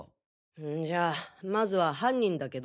んじゃまずは犯人だけど。